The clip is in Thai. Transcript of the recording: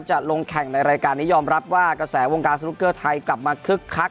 จะลงแข่งในรายการนี้ยอมรับว่ากระแสวงการสนุกเกอร์ไทยกลับมาคึกคัก